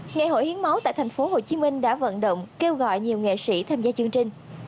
ngày hội hiến máu tại tp hcm đã vận động kêu gọi nhiều nghệ sĩ tham gia chương trình